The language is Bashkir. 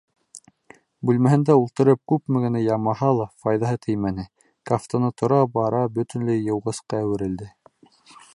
Бүлмәһендә ултырып, күпме генә ямаһа ла, файҙаһы теймәне, кафтаны тора-бара бөтөнләй йыуғысҡа әүерелде.